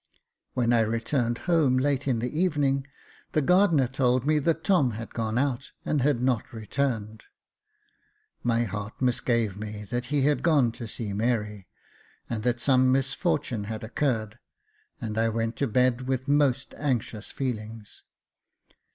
When I returned home late in the evening, the gardener told me that Tom had gone out, and had not returned. My heart misgave me that he had gone to see Mary, and that some misfortune had occurred, and I went to bed with most anxious feelings.